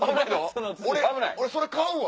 俺それ買うわ！